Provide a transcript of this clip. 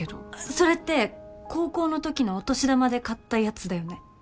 それって高校のときのお年玉で買ったやつだよね？